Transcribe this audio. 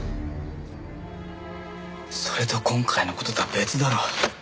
それと今回の事とは別だろ。